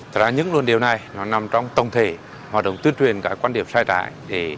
thật ra những luận điều này nó nằm trong tổng thể hoạt động tuyên truyền cả quan điểm sai trái